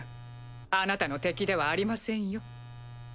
あなたの敵ではありませんよ。